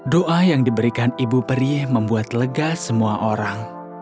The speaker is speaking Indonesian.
doa yang diberikan ibu perih membuat lega semua orang